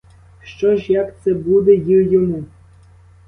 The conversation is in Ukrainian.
Що ж як це буде й йому?